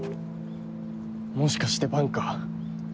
もしかして伴か？